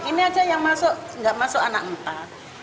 ini aja yang masuk nggak masuk anak empat